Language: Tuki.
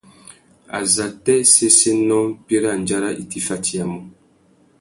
Azatê séssénô mpí râ andjara i fatiyamú?